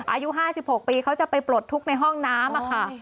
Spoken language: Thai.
อายุ๕๖ปีเขาจะไปปลดทุกข์ในห้องน้ำค่ะ